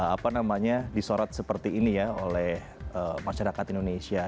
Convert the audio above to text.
apa namanya disorot seperti ini ya oleh masyarakat indonesia